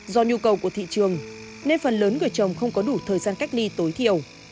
do nhu cầu của thị trường nên phần lớn người chồng không có đủ thời gian cách ly tối thiểu